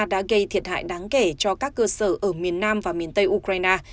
đã gây thiệt hại đáng kể cho các cơ sở ở miền nam và miền tây ukraine